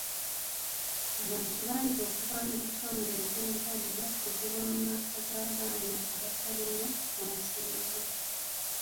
Abantu bangi okuva mu bitundu ebyenjawulo bakuzibwa mu maka g'abaana abatalina mwasiriza.